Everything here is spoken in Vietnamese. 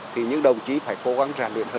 thì những đồng chí phải cố gắng rèn luyện hơn